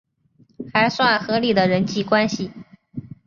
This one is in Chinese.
还算合理的人际关系